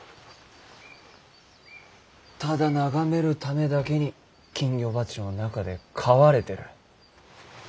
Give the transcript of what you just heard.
ただ眺めるためだけに金魚鉢の中で飼われてる。